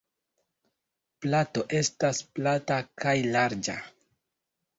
Plato estas plata kaj larĝa.